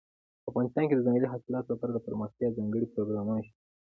افغانستان کې د ځنګلي حاصلاتو لپاره دپرمختیا ځانګړي پروګرامونه شته.